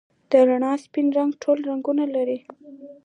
د رڼا سپین رنګ ټول رنګونه لري.